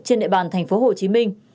trên địa bàn tp hcm